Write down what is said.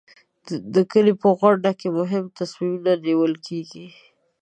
د کلي په غونډه کې مهم تصمیمونه نیول کېږي.